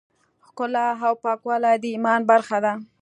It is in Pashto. ښکلا او پاکوالی د ایمان برخه ده.